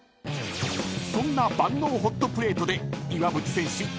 ［そんな万能ホットプレートで岩渕選手